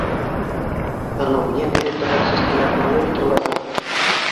Бынау йәм биреп торған сәскәләр һулый бит улайһа.